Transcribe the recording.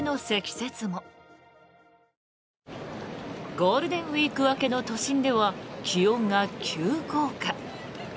ゴールデンウィーク明けの都心では気温が急降下。